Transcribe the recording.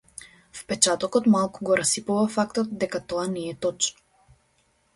Впечатокот малку го расипува фактот дека тоа не е точно.